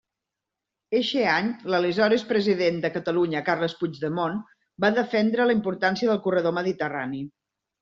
Eixe any l'aleshores president de Catalunya, Carles Puigdemont, va defendre la importància del Corredor Mediterrani.